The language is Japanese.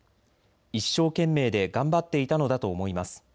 一生懸命で頑張っていたのだと思います。